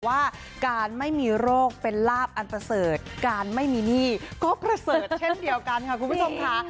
ว่าการไม่มีโรคเป็นลาบอันประเสริฐการไม่มีหนี้ก็ประเสริฐเช่นเดียวกันค่ะคุณผู้ชมค่ะ